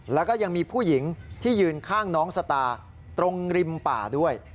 แล้วก็ยังมีผู้หญิงที่ยืนข้างน้องสตาตรงริมป่าด้วย